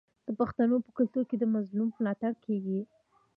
د پښتنو په کلتور کې د مظلوم ملاتړ کیږي.